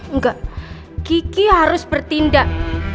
enggak kiki harus bertindak